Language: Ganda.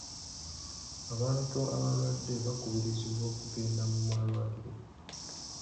Abantu abalwadde bakubirizibwa okugenda mu malwaliro.